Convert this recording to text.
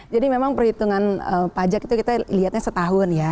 jadi memang perhitungan pajak itu kita lihatnya setahun ya